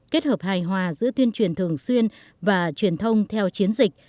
kết hợp hài hòa giữa tuyên truyền thường xuyên và truyền thông theo chiến dịch